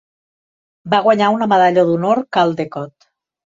Va guanyar una Medalla d'Honor Caldecott.